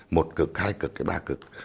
một cực hai cực ba cực